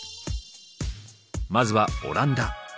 まずはオランダ。